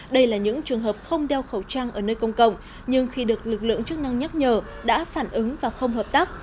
đây là những trường hợp không đeo khẩu trang ở nơi công cộng nhưng khi được lực lượng chức năng nhắc nhở đã phản ứng và không hợp tác